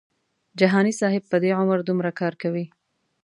جهاني صاحب په دې عمر دومره کار کوي.